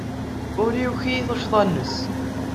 Ur yuki i tuccḍa-nnes.